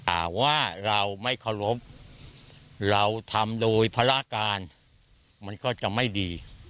อ่าว่าเราไม่เคารพเราทำโดยภาระการมันก็จะไม่ดี